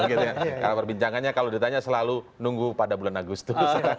karena perbincangannya kalau ditanya selalu nunggu pada bulan agustus